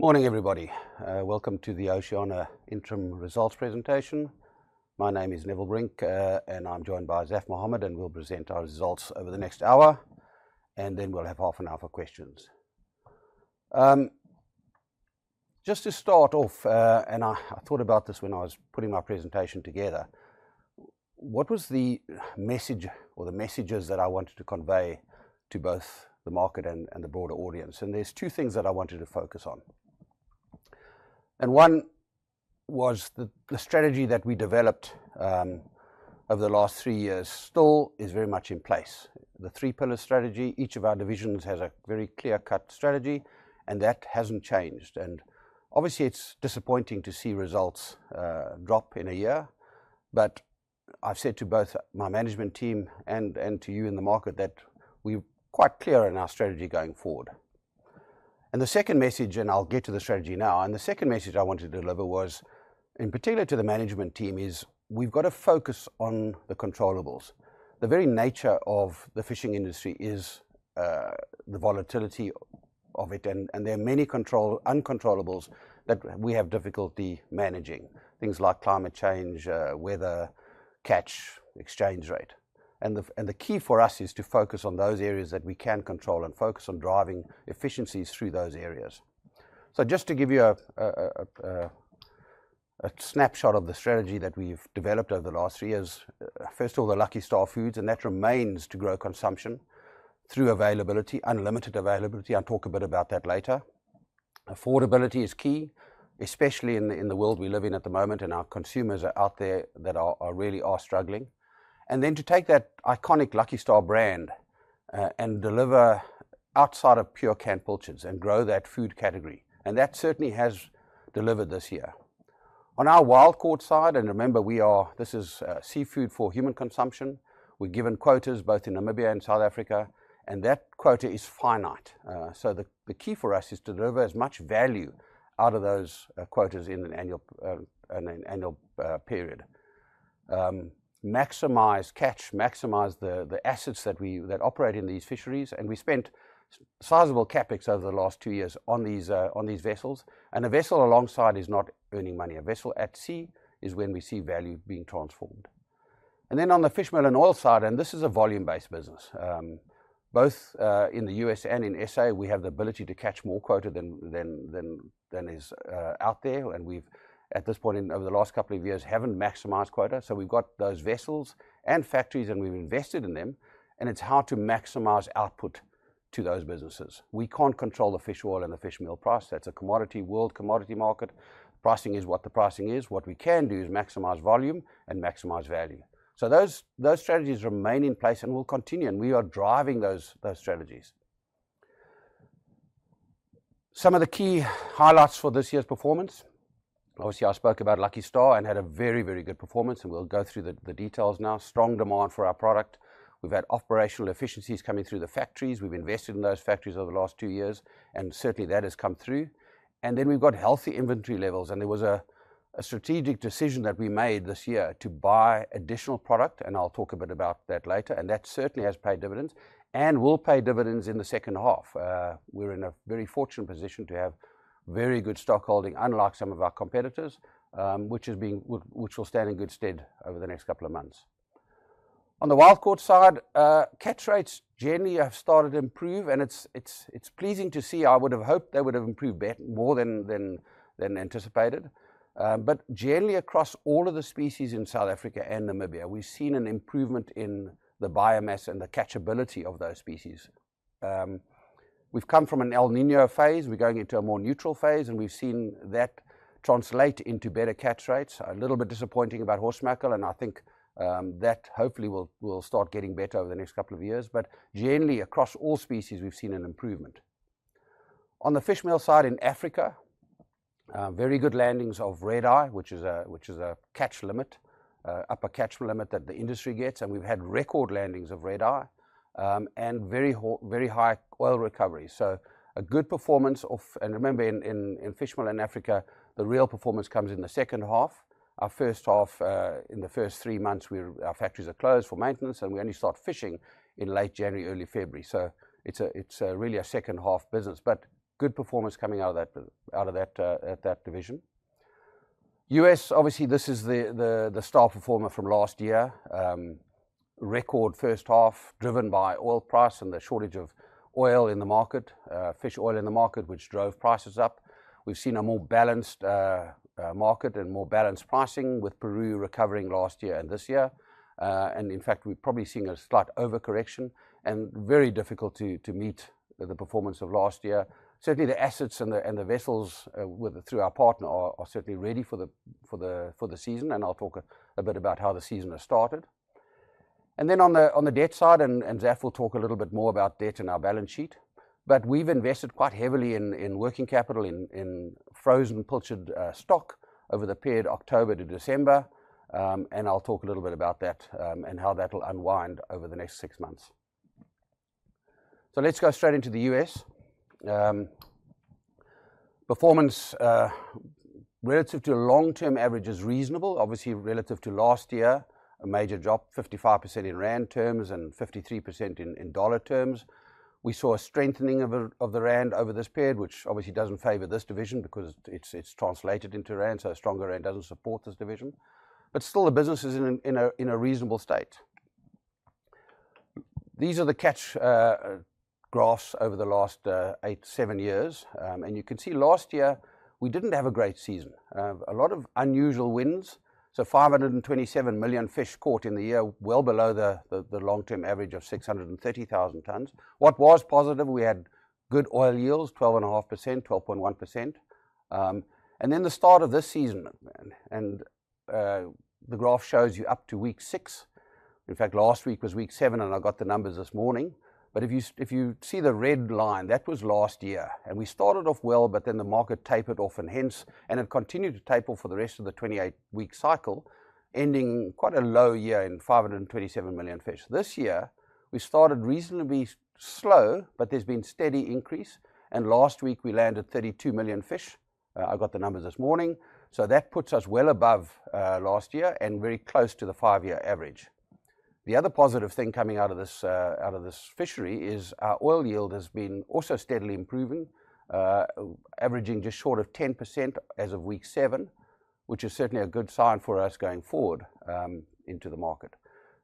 Morning, everybody. Welcome to the Oceana Interim Results Presentation. My name is Neville Brink, and I'm joined by Zafar Mahomed, and we'll present our results over the next hour, and then we'll have half an hour for questions. Just to start off, I thought about this when I was putting my presentation together, what was the message or the messages that I wanted to convey to both the market and the broader audience? There are two things that I wanted to focus on. One was the strategy that we developed over the last three years still is very much in place. The three-pillar strategy, each of our divisions has a very clear-cut strategy, and that hasn't changed. Obviously, it's disappointing to see results drop in a year, but I've said to both my management team and to you in the market that we're quite clear on our strategy going forward. The second message, and I'll get to the strategy now, the second message I wanted to deliver was, in particular to the management team, we've got to focus on the controllables, the very nature of the fishing industry, the volatility of it, and there are many uncontrollables that we have difficulty managing, things like climate change, weather, catch, exchange rate. The key for us is to focus on those areas that we can control and focus on driving efficiencies through those areas. Just to give you a snapshot of the strategy that we've developed over the last three years, first of all, the Lucky Star foods, and that remains to grow consumption through availability, unlimited availability. I'll talk a bit about that later. Affordability is key, especially in the world we live in at the moment, and our consumers are out there that really are struggling. Then to take that iconic Lucky Star brand and deliver outside of pure canned pilchards and grow that food category. That certainly has delivered this year. On our wild caught side, and remember, this is seafood for human consumption. We're given quotas both in Namibia and South Africa, and that quota is finite. The key for us is to deliver as much value out of those quotas in an annual period, maximize catch, maximize the assets that operate in these fisheries. We spent sizable CapEx over the last two years on these vessels. A vessel alongside is not earning money. A vessel at sea is when we see value being transformed. On the fishmeal and oil side, this is a volume-based business. Both in the U.S. and in South Africa, we have the ability to catch more quota than is out there. At this point, over the last couple of years, we have not maximized quota. We have those vessels and factories, and we have invested in them. It is hard to maximize output to those businesses. We cannot control the fish oil and the fishmeal price. That is a commodity, world commodity market. Pricing is what the pricing is. What we can do is maximize volume and maximize value. Those strategies remain in place and will continue, and we are driving those strategies. Some of the key highlights for this year's performance, obviously, I spoke about Lucky Star and had a very, very good performance, and we'll go through the details now. Strong demand for our product. We've had operational efficiencies coming through the factories. We've invested in those factories over the last two years, and certainly that has come through. We have healthy inventory levels, and there was a strategic decision that we made this year to buy additional product, and I'll talk a bit about that later, and that certainly has paid dividends and will pay dividends in the second half. We're in a very fortunate position to have very good stock holding, unlike some of our competitors, which will stand in good stead over the next couple of months. On the wild-caught side, catch rates generally have started to improve, and it's pleasing to see. I would have hoped they would have improved more than anticipated. Generally, across all of the species in South Africa and Namibia, we've seen an improvement in the biomass and the catchability of those species. We've come from an El Niño phase. We're going into a more neutral phase, and we've seen that translate into better catch rates. A little bit disappointing about horsemackerel, and I think that hopefully will start getting better over the next couple of years. Generally, across all species, we've seen an improvement. On the fishmeal side in Africa, very good landings of red eye, which is a catch limit, upper catch limit that the industry gets, and we've had record landings of red eye and very high oil recovery. A good performance of, and remember, in fishmeal in Africa, the real performance comes in the second half. Our first half, in the first three months, our factories are closed for maintenance, and we only start fishing in late January, early February. It is really a second half business, but good performance coming out of that division. U.S., obviously, this is the star performer from last year. Record first half driven by oil price and the shortage of oil in the market, fish oil in the market, which drove prices up. We have seen a more balanced market and more balanced pricing with Peru recovering last year and this year. In fact, we are probably seeing a slight overcorrection and very difficult to meet the performance of last year. Certainly, the assets and the vessels through our partner are certainly ready for the season, and I will talk a bit about how the season has started. On the debt side, and Zaf will talk a little bit more about debt in our balance sheet, but we have invested quite heavily in working capital, in frozen poached stock over the period October to December, and I will talk a little bit about that and how that will unwind over the next six months. Let us go straight into the U.S. Performance relative to long-term average is reasonable, obviously relative to last year, a major drop, 55% in ZAR terms and 53% in dollar terms. We saw a strengthening of the Rand over this period, which obviously does not favor this division because it is translated into ZAR, so a stronger Rand does not support this division. Still, the business is in a reasonable state. These are the catch graphs over the last eight, seven years. You can see last year we did not have a great season. A lot of unusual wins. 527 million fish caught in the year, well below the long-term average of 630,000 tons. What was positive, we had good oil yields, 12.5%, 12.1%. The start of this season, and the graph shows you up to week six. In fact, last week was week seven, and I got the numbers this morning. If you see the red line, that was last year. We started off well, but then the market tapered off, and hence, it continued to taper for the rest of the 28-week cycle, ending quite a low year in 527 million fish. This year, we started reasonably slow, but there has been steady increase. Last week, we landed 32 million fish. I got the numbers this morning. That puts us well above last year and very close to the five-year average. The other positive thing coming out of this fishery is our oil yield has been also steadily improving, averaging just short of 10% as of week seven, which is certainly a good sign for us going forward into the market.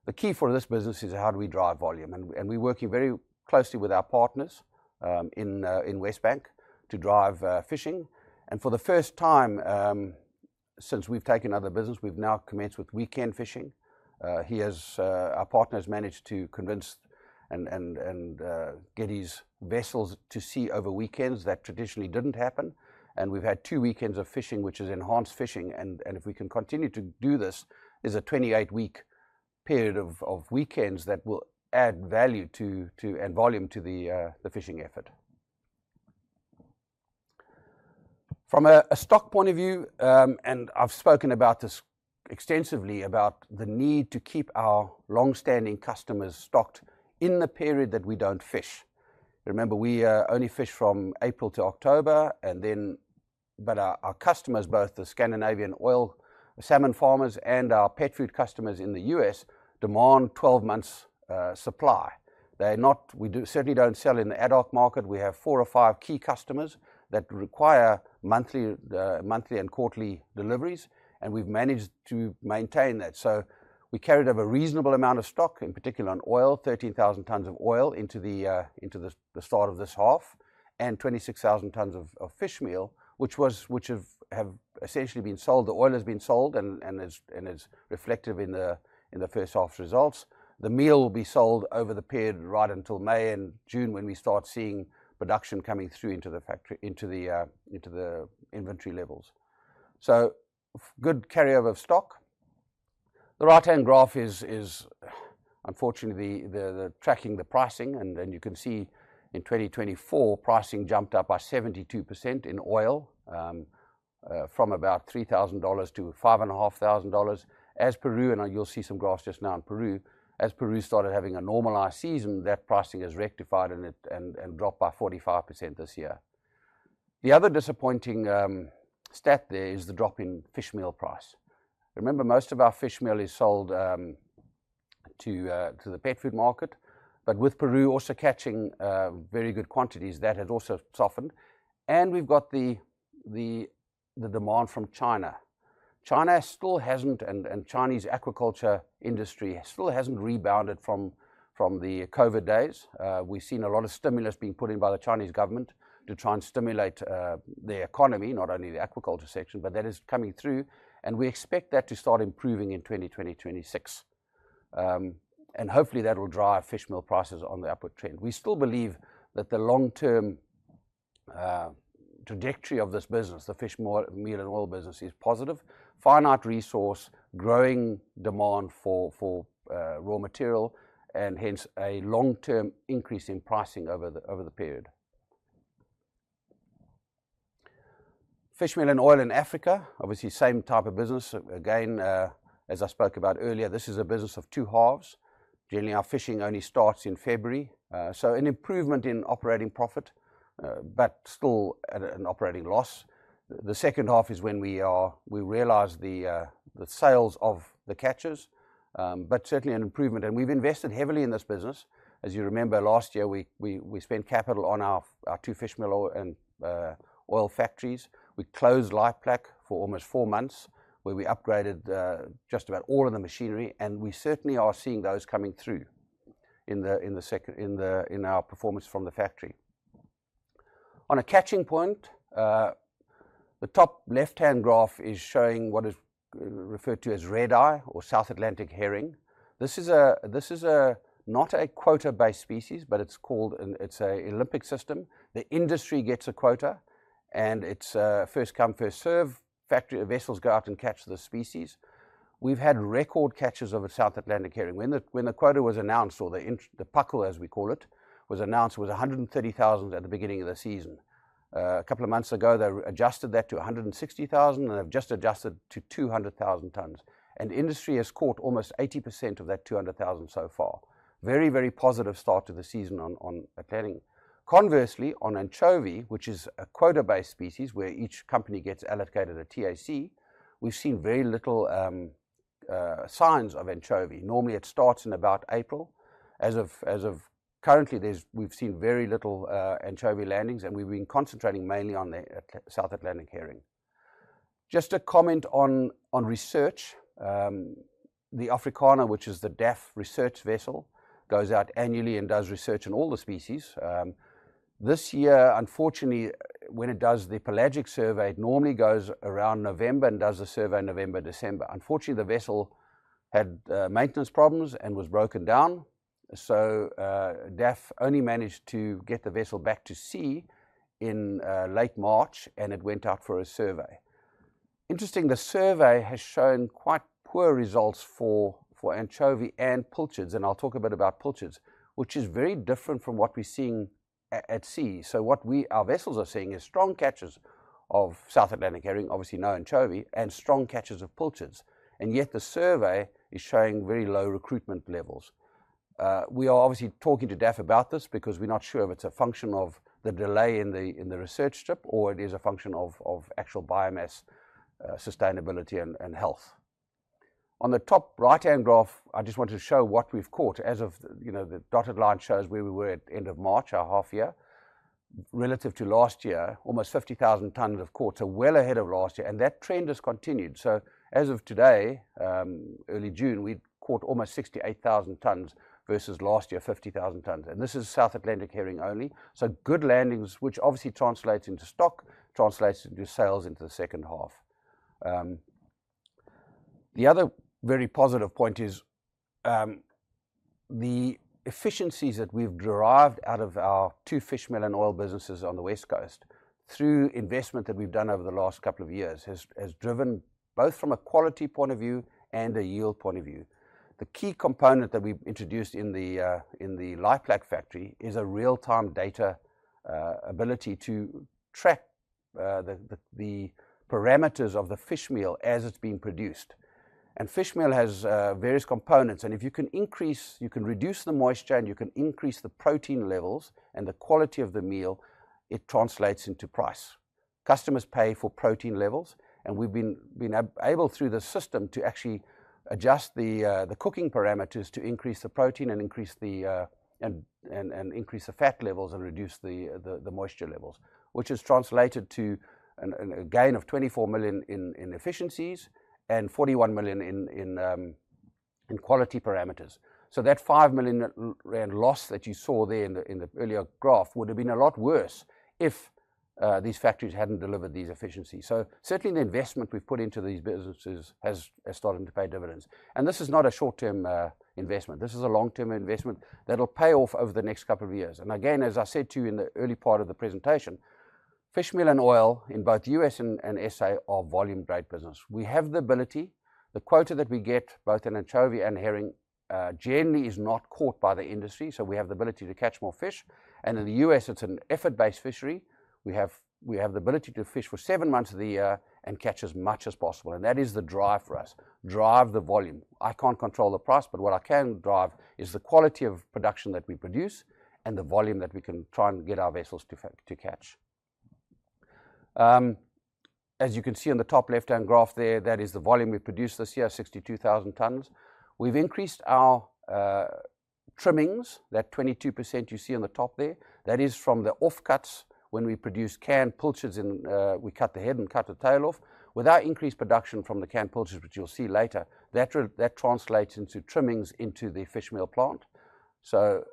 The key for this business is how do we drive volume, and we're working very closely with our partners in Westbank to drive fishing. For the first time since we've taken over the business, we've now commenced with weekend fishing. Our partner has managed to convince and get his vessels to sea over weekends. That traditionally did not happen. We have had two weekends of fishing, which is enhanced fishing. If we can continue to do this, there is a 28-week period of weekends that will add value and volume to the fishing effort. From a stock point of view, and I've spoken about this extensively, about the need to keep our long-standing customers stocked in the period that we do not fish. Remember, we only fish from April to October, but our customers, both the Scandinavian oil salmon farmers and our pet food customers in the U.S., demand 12 months' supply. We certainly do not sell in the ad hoc market. We have four or five key customers that require monthly and quarterly deliveries, and we've managed to maintain that. We carried over a reasonable amount of stock, in particular on oil, 13,000 tons of oil into the start of this half, and 26,000 tons of fishmeal, which have essentially been sold. The oil has been sold and is reflective in the first half's results. The meal will be sold over the period right until May and June when we start seeing production coming through into the inventory levels. Good carryover of stock. The right-hand graph is, unfortunately, tracking the pricing, and you can see in 2024, pricing jumped up by 72% in oil from about $3,000-$5,500. As Peru, and you will see some graphs just now in Peru, as Peru started having a normalized season, that pricing has rectified and dropped by 45% this year. The other disappointing stat there is the drop in fishmeal price. Remember, most of our fishmeal is sold to the pet food market, but with Peru also catching very good quantities, that has also softened. We have got the demand from China. China still has not, and Chinese aquaculture industry still has not rebounded from the COVID days. We've seen a lot of stimulus being put in by the Chinese government to try and stimulate the economy, not only the aquaculture section, but that is coming through, and we expect that to start improving in 2026. Hopefully, that will drive fishmeal prices on the upward trend. We still believe that the long-term trajectory of this business, the fishmeal and oil business, is positive. Finite resource, growing demand for raw material, and hence a long-term increase in pricing over the period. Fishmeal and oil in Africa, obviously same type of business. Again, as I spoke about earlier, this is a business of two halves. Generally, our fishing only starts in February. An improvement in operating profit, but still an operating loss. The second half is when we realize the sales of the catchers, but certainly an improvement. We've invested heavily in this business. As you remember, last year, we spent capital on our two fishmeal and oil factories. We closed Lifeplac for almost four months, where we upgraded just about all of the machinery, and we certainly are seeing those coming through in our performance from the factory. On a catching point, the top left-hand graph is showing what is referred to as red eye or South Atlantic herring. This is not a quota-based species, but it is called an Olympic system. The industry gets a quota, and it is first come, first served. Vessels go out and catch the species. We have had record catches of South Atlantic herring. When the quota was announced, or the puckle, as we call it, was announced, it was 130,000 at the beginning of the season. A couple of months ago, they adjusted that to 160,000, and they have just adjusted to 200,000 tons. Industry has caught almost 80% of that 200,000 so far. Very, very positive start to the season on Atlantic. Conversely, on anchovy, which is a quota-based species where each company gets allocated a TAC, we've seen very little signs of anchovy. Normally, it starts in about April. As of currently, we've seen very little anchovy landings, and we've been concentrating mainly on South Atlantic herring. Just a comment on research. The Africana, which is the DAFF research vessel, goes out annually and does research on all the species. This year, unfortunately, when it does the pelagic survey, it normally goes around November and does the survey November, December. Unfortunately, the vessel had maintenance problems and was broken down. DAFF only managed to get the vessel back to sea in late March, and it went out for a survey. Interesting, the survey has shown quite poor results for anchovy and pilchards, and I'll talk a bit about pilchards, which is very different from what we're seeing at sea. What our vessels are seeing is strong catches of South Atlantic herring, obviously no anchovy, and strong catches of pilchards. Yet the survey is showing very low recruitment levels. We are obviously talking to DAFF about this because we're not sure if it's a function of the delay in the research trip or it is a function of actual biomass sustainability and health. On the top right-hand graph, I just want to show what we've caught. The dotted line shows where we were at the end of March, our half year, relative to last year, almost 50,000 tons caught, so well ahead of last year, and that trend has continued. As of today, early June, we caught almost 68,000 tons versus last year, 50,000 tons. This is South Atlantic herring only. Good landings, which obviously translates into stock, translates into sales into the second half. The other very positive point is the efficiencies that we've derived out of our two fishmeal and oil businesses on the West Coast through investment that we've done over the last couple of years has driven both from a quality point of view and a yield point of view. The key component that we've introduced in the Lifeplac factory is a real-time data ability to track the parameters of the fishmeal as it's being produced. Fishmeal has various components. If you can increase, you can reduce the moisture, and you can increase the protein levels and the quality of the meal, it translates into price. Customers pay for protein levels, and we've been able through the system to actually adjust the cooking parameters to increase the protein and increase the fat levels and reduce the moisture levels, which has translated to a gain of 24 million in efficiencies and 41 million in quality parameters. That 5 million rand loss that you saw there in the earlier graph would have been a lot worse if these factories hadn't delivered these efficiencies. Certainly, the investment we've put into these businesses has started to pay dividends. This is not a short-term investment. This is a long-term investment that will pay off over the next couple of years. Again, as I said to you in the early part of the presentation, fishmeal and oil in both U.S. and S.A. are volume-grade business. We have the ability, the quota that we get, both in anchovy and herring, generally is not caught by the industry, so we have the ability to catch more fish. In the U.S., it's an effort-based fishery. We have the ability to fish for seven months of the year and catch as much as possible. That is the drive for us, drive the volume. I can't control the price, but what I can drive is the quality of production that we produce and the volume that we can try and get our vessels to catch. As you can see in the top left-hand graph there, that is the volume we produced this year, 62,000 tons. We've increased our trimmings, that 22% you see on the top there. That is from the offcuts when we produce canned pilchards and we cut the head and cut the tail off. With our increased production from the canned pilchards, which you'll see later, that translates into trimmings into the fishmeal plant. So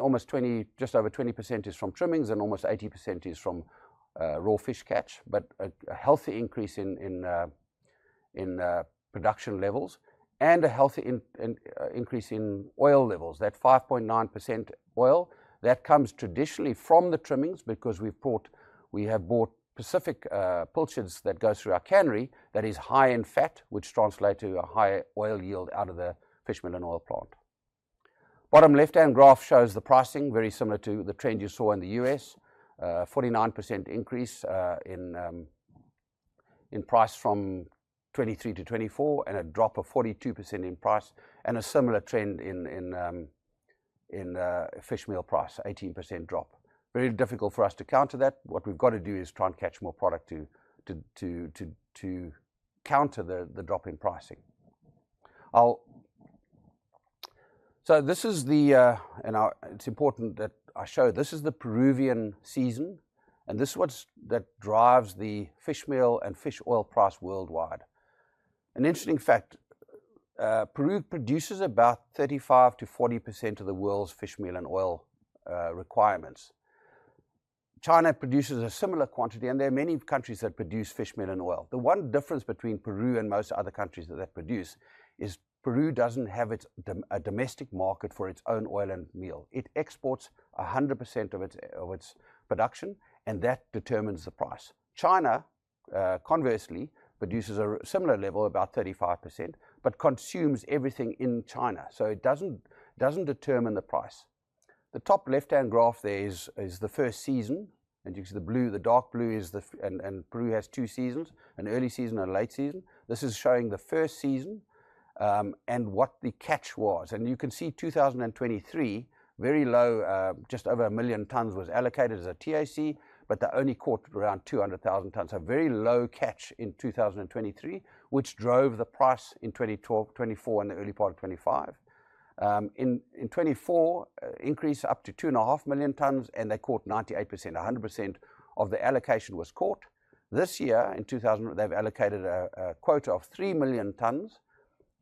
almost just over 20% is from trimmings and almost 80% is from raw fish catch, but a healthy increase in production levels and a healthy increase in oil levels. That 5.9% oil, that comes traditionally from the trimmings because we have bought Pacific pilchards that go through our cannery. That is high in fat, which translates to a high oil yield out of the fishmeal and oil plant. Bottom left-hand graph shows the pricing very similar to the trend you saw in the U.S., 49% increase in price from 2023 to 2024 and a drop of 42% in price and a similar trend in fishmeal price, 18% drop. Very difficult for us to counter that. What we've got to do is try and catch more product to counter the drop in pricing. This is the, and it's important that I show, this is the Peruvian season, and this is what drives the fishmeal and fish oil price worldwide. An interesting fact, Peru produces about 35%-40% of the world's fishmeal and oil requirements. China produces a similar quantity, and there are many countries that produce fishmeal and oil. The one difference between Peru and most other countries that produce is Peru doesn't have a domestic market for its own oil and meal. It exports 100% of its production, and that determines the price. China, conversely, produces a similar level, about 35%, but consumes everything in China, so it doesn't determine the price. The top left-hand graph there is the first season, and you can see the blue, the dark blue is, and Peru has two seasons, an early season and a late season. This is showing the first season and what the catch was. You can see 2023, very low, just over 1 million tons was allocated as a TAC, but they only caught around 200,000 tons. A very low catch in 2023, which drove the price in 2024 and the early part of 2025. In 2024, increased up to 2.5 million tons, and they caught 98%, 100% of the allocation was caught. This year, in 2024, they have allocated a quota of 3 million tons,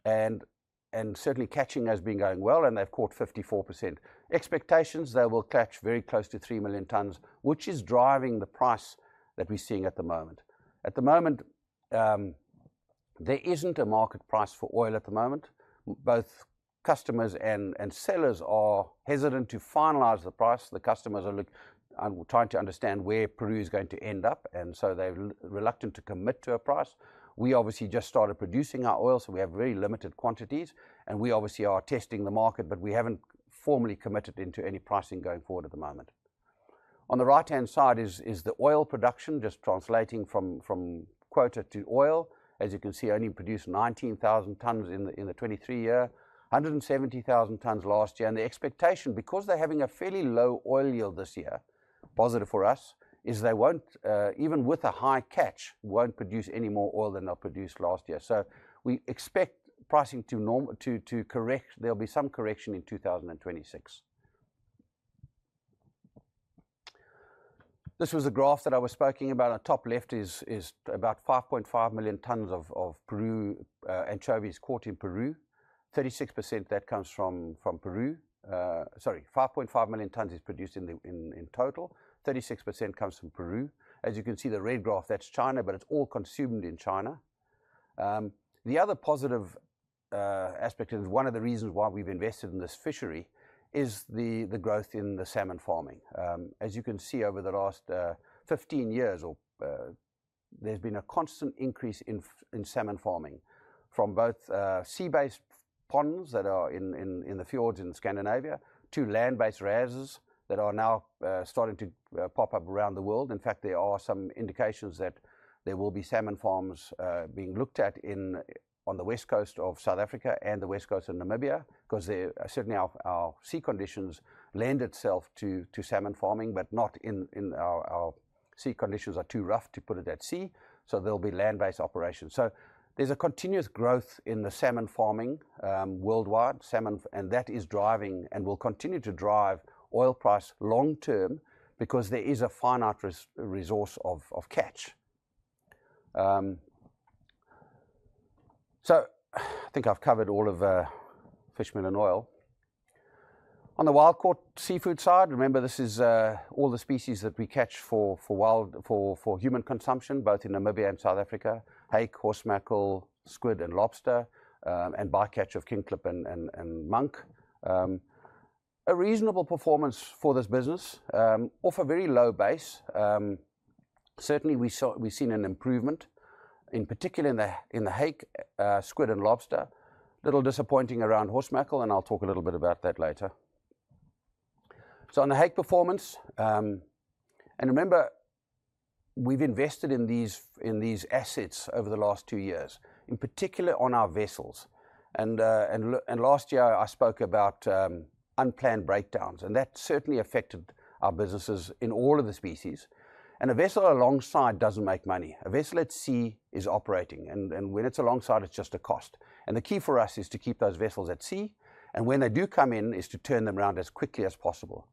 and certainly catching has been going well, and they have caught 54%. Expectations, they will catch very close to 3 million tons, which is driving the price that we are seeing at the moment. At the moment, there is not a market price for oil at the moment. Both customers and sellers are hesitant to finalize the price. The customers are trying to understand where Peru is going to end up, and so they are reluctant to commit to a price. We obviously just started producing our oil, so we have very limited quantities, and we obviously are testing the market, but we have not formally committed into any pricing going forward at the moment. On the right-hand side is the oil production, just translating from quota to oil. As you can see, only produced 19,000 tons in the 2023 year, 170,000 tons last year. The expectation, because they are having a fairly low oil yield this year, positive for us, is they will not, even with a high catch, produce any more oil than they produced last year. We expect pricing to correct, there'll be some correction in 2026. This was the graph that I was speaking about. On the top left is about 5.5 million tons of Peru anchovies caught in Peru. 36% of that comes from Peru. Sorry, 5.5 million tons is produced in total. 36% comes from Peru. As you can see, the red graph, that's China, but it's all consumed in China. The other positive aspect is one of the reasons why we've invested in this fishery is the growth in the salmon farming. As you can see over the last 15 years, there's been a constant increase in salmon farming from both sea-based ponds that are in the fjords in Scandinavia to land-based RASes that are now starting to pop up around the world. In fact, there are some indications that there will be salmon farms being looked at on the West Coast of South Africa and the West Coast of Namibia because certainly our sea conditions lend itself to salmon farming, but not in our sea conditions are too rough to put it at sea. There will be land-based operations. There is a continuous growth in the salmon farming worldwide, and that is driving and will continue to drive oil price long-term because there is a finite resource of catch. I think I've covered all of fishmeal and oil. On the wild-caught seafood side, remember this is all the species that we catch for human consumption, both in Namibia and South Africa, hake, horsemackerel, squid, and lobster, and bycatch of king clip and monk. A reasonable performance for this business, off a very low base. Certainly, we've seen an improvement, in particular in the hake, squid, and lobster. A little disappointing around horsemackerel, and I'll talk a little bit about that later. On the hake performance, and remember, we've invested in these assets over the last two years, in particular on our vessels. Last year, I spoke about unplanned breakdowns, and that certainly affected our businesses in all of the species. A vessel alongside doesn't make money. A vessel at sea is operating, and when it's alongside, it's just a cost. The key for us is to keep those vessels at sea, and when they do come in, is to turn them around as quickly as possible.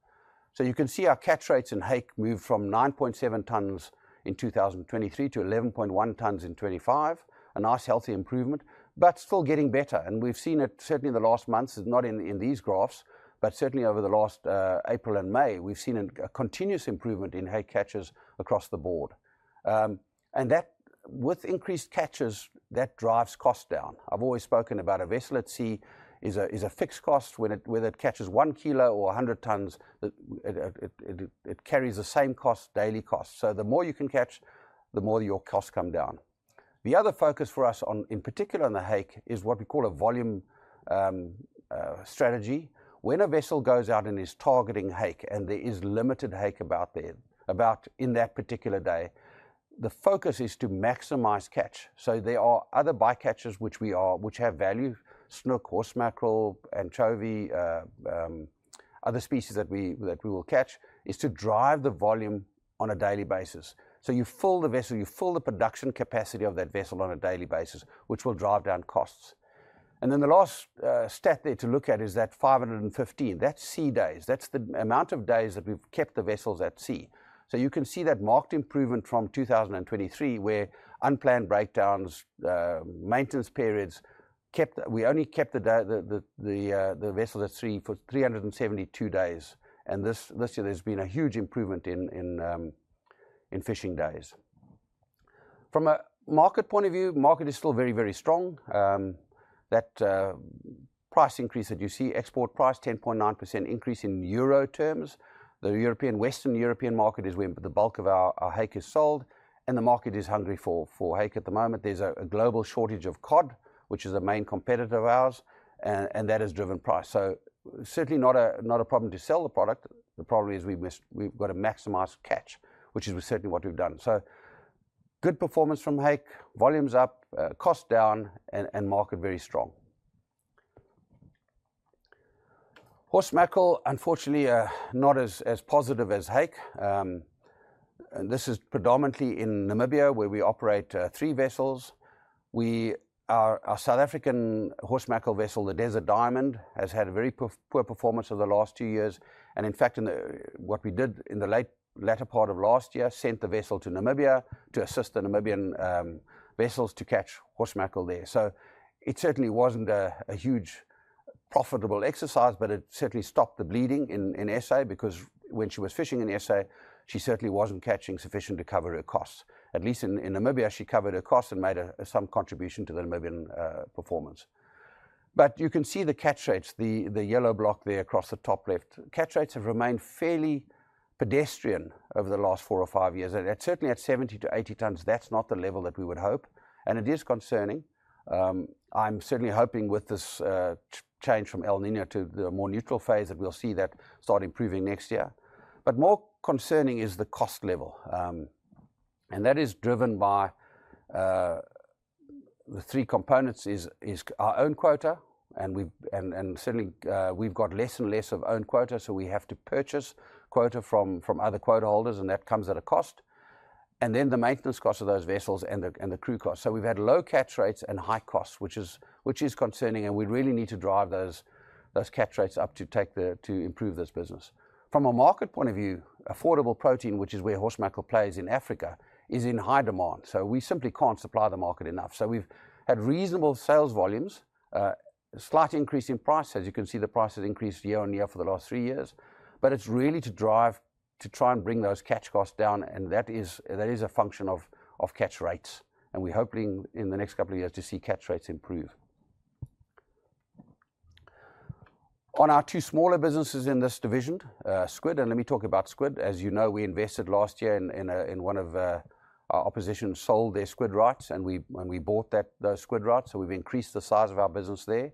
You can see our catch rates in hake moved from 9.7 tons in 2023 to 11.1 tons in 2025, a nice healthy improvement, but still getting better. We have seen it certainly in the last months, not in these graphs, but certainly over April and May, we have seen a continuous improvement in hake catches across the board. With increased catches, that drives cost down. I have always spoken about a vessel at sea as a fixed cost. When it catches 1 kg or 100 tons, it carries the same daily cost. The more you can catch, the more your costs come down. The other focus for us, in particular on the hake, is what we call a volume strategy. When a vessel goes out and is targeting hake and there is limited hake about on that particular day, the focus is to maximize catch. There are other bycatches which have value—snook, horsemackerel, anchovy, other species that we will catch—to drive the volume on a daily basis. You fill the vessel, you fill the production capacity of that vessel on a daily basis, which will drive down costs. The last stat there to look at is that 515, that's sea days. That's the amount of days that we've kept the vessels at sea. You can see that marked improvement from 2023, where unplanned breakdowns, maintenance periods, we only kept the vessel at sea for 372 days. This year, there's been a huge improvement in fishing days. From a market point of view, the market is still very, very strong. That price increase that you see, export price, 10.9% increase in euro terms. The Western European market is where the bulk of our hake is sold, and the market is hungry for hake at the moment. There's a global shortage of cod, which is a main competitor of ours, and that has driven price. Certainly not a problem to sell the product. The problem is we've got to maximize catch, which is certainly what we've done. Good performance from hake, volumes up, cost down, and market very strong. Horsemackerel, unfortunately, not as positive as hake. This is predominantly in Namibia, where we operate three vessels. Our South African horsemackerel vessel, the Desert Diamond, has had a very poor performance over the last two years. In fact, what we did in the latter part of last year was send the vessel to Namibia to assist the Namibian vessels to catch horsemackerel there. It certainly was not a huge profitable exercise, but it certainly stopped the bleeding in South Africa because when she was fishing in South Africa, she certainly was not catching sufficient to cover her costs. At least in Namibia, she covered her costs and made some contribution to the Namibian performance. You can see the catch rates, the yellow block there across the top left. Catch rates have remained fairly pedestrian over the last four or five years. Certainly at 70-80 tons, that's not the level that we would hope. It is concerning. I'm certainly hoping with this change from El Niño to the more neutral phase that we'll see that start improving next year. More concerning is the cost level. That is driven by the three components: our own quota, and certainly, we've got less and less of own quota, so we have to purchase quota from other quota holders, and that comes at a cost, and then the maintenance cost of those vessels and the crew cost. We've had low catch rates and high costs, which is concerning, and we really need to drive those catch rates up to improve this business. From a market point of view, affordable protein, which is where horsemackerel plays in Africa, is in high demand. We simply can't supply the market enough. We've had reasonable sales volumes, slight increase in price. As you can see, the price has increased year on year for the last three years. It's really to try and bring those catch costs down, and that is a function of catch rates. We're hoping in the next couple of years to see catch rates improve. On our two smaller businesses in this division, squid, and let me talk about squid. As you know, we invested last year in one of our opposition sold their squid rights, and we bought those squid rights. We have increased the size of our business there.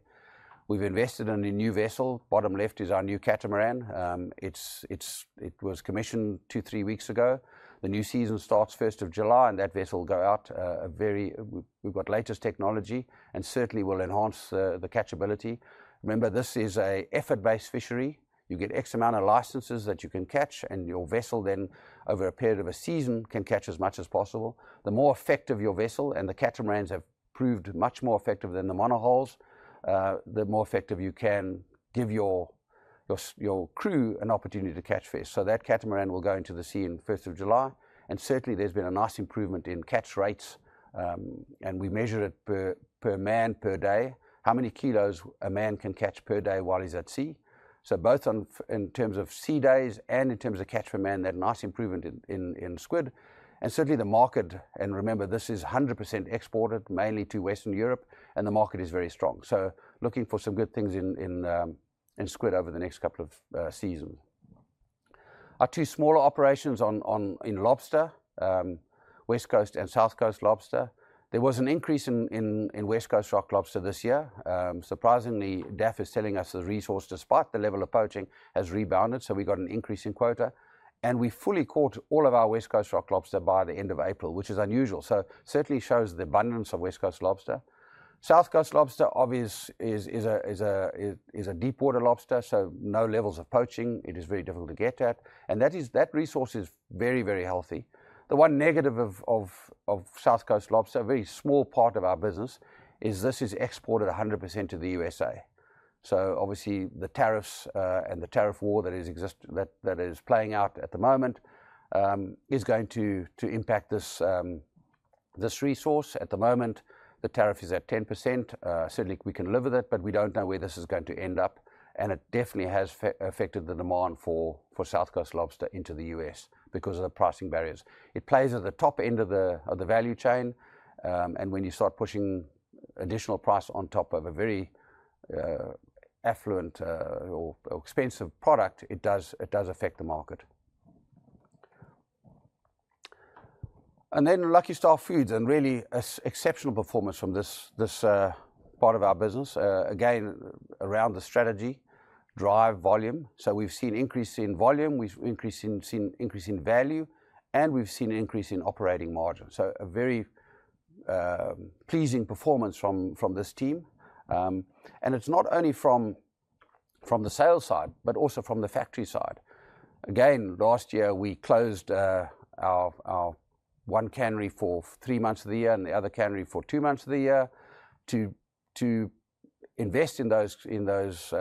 We have invested in a new vessel. Bottom left is our new catamaran. It was commissioned two, three weeks ago. The new season starts 1st of July, and that vessel will go out. We have got the latest technology, and certainly will enhance the catchability. Remember, this is an effort-based fishery. You get X amount of licenses that you can catch, and your vessel then, over a period of a season, can catch as much as possible. The more effective your vessel, and the catamarans have proved much more effective than the monohulls, the more effective you can give your crew an opportunity to catch fish. That catamaran will go into the sea on 1st of July. Certainly, there's been a nice improvement in catch rates, and we measure it per man, per day, how many kilos a man can catch per day while he's at sea. Both in terms of sea days and in terms of catch per man, that nice improvement in squid. The market, and remember, this is 100% exported, mainly to Western Europe, and the market is very strong. Looking for some good things in squid over the next couple of seasons. Our two smaller operations in lobster, West Coast and South Coast lobster. There was an increase in West Coast rock lobster this year. Surprisingly, DAFF is telling us the resource, despite the level of poaching, has rebounded, so we got an increase in quota. We fully caught all of our West Coast rock lobster by the end of April, which is unusual. Certainly shows the abundance of West Coast lobster. South Coast lobster is a deep-water lobster, so no levels of poaching. It is very difficult to get at. And that resource is very, very healthy. The one negative of South Coast lobster, a very small part of our business, is this is exported 100% to the U.S. Obviously, the tariffs and the tariff war that is playing out at the moment is going to impact this resource. At the moment, the tariff is at 10%. Certainly, we can live with it, but we don't know where this is going to end up. It definitely has affected the demand for South Coast lobster into the U.S. because of the pricing barriers. It plays at the top end of the value chain. When you start pushing additional price on top of a very affluent or expensive product, it does affect the market. Lucky Star Foods, and really exceptional performance from this part of our business. Again, around the strategy, drive volume. We have seen increase in volume, we have increase in value, and we have seen increase in operating margin. A very pleasing performance from this team. It is not only from the sales side, but also from the factory side. Last year, we closed our one cannery for three months of the year and the other cannery for two months of the year to invest in those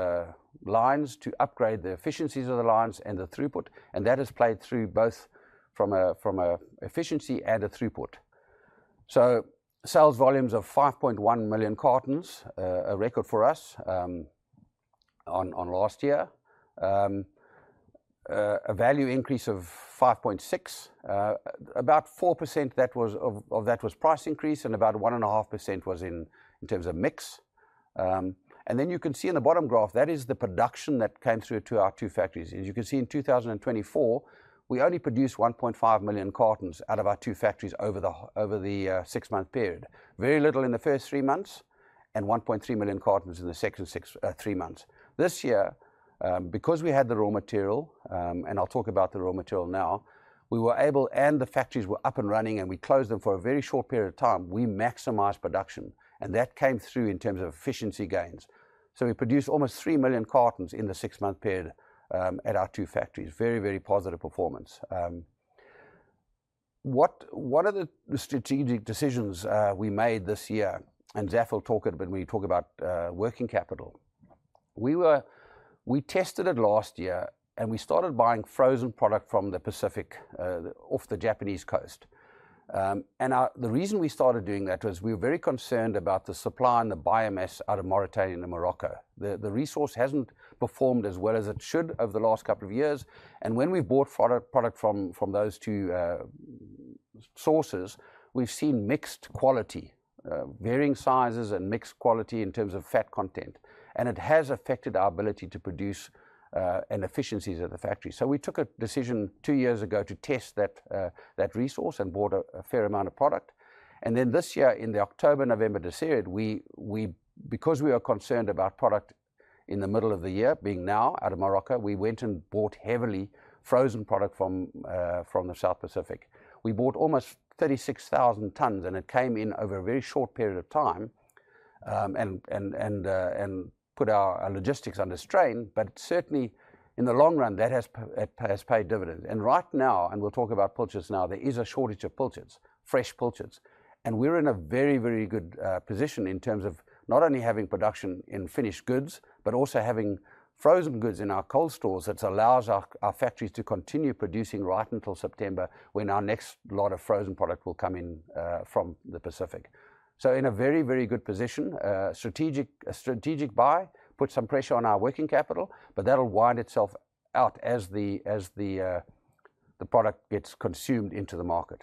lines, to upgrade the efficiencies of the lines and the throughput. That has played through both from an efficiency and a throughput. Sales volumes of 5.1 million cartons, a record for us on last year. A value increase of 5.6%. About 4% of that was price increase, and about 1.5% was in terms of mix. You can see in the bottom graph, that is the production that came through to our two factories. As you can see, in 2024, we only produced 1.5 million cartons out of our two factories over the six-month period. Very little in the first three months and 1.3 million cartons in the second three months. This year, because we had the raw material, and I'll talk about the raw material now, we were able, and the factories were up and running, and we closed them for a very short period of time, we maximized production. That came through in terms of efficiency gains. We produced almost 3 million cartons in the six-month period at our two factories. Very, very positive performance. One of the strategic decisions we made this year, and Zafar will talk a bit when we talk about working capital. We tested it last year, and we started buying frozen product from the Pacific off the Japanese coast. The reason we started doing that was we were very concerned about the supply and the biomass out of Mauritania and Morocco. The resource has not performed as well as it should over the last couple of years. When we bought product from those two sources, we have seen mixed quality, varying sizes, and mixed quality in terms of fat content. It has affected our ability to produce and efficiencies at the factory. We took a decision two years ago to test that resource and bought a fair amount of product. This year, in the October-November period, because we were concerned about product in the middle of the year being now out of Morocco, we went and bought heavily frozen product from the South Pacific. We bought almost 36,000 tons, and it came in over a very short period of time and put our logistics under strain. In the long run, that has paid dividends. Right now, and we'll talk about pilchards now, there is a shortage of pilchards, fresh pilchards. We're in a very, very good position in terms of not only having production in finished goods, but also having frozen goods in our cold stores that allows our factories to continue producing right until September when our next lot of frozen product will come in from the Pacific. In a very, very good position, a strategic buy, put some pressure on our working capital, but that will wind itself out as the product gets consumed into the market.